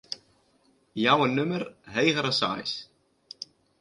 Jou in nûmer heger as seis.